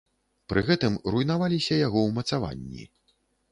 Пры гэтым руйнаваліся яго ўмацаванні.